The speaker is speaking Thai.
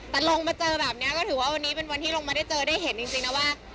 แต่ลงมาเจอแบบนี้ก็ถือว่าวันนี้เป็นวันที่ลงมาได้เจอได้เห็นจริงนะว่า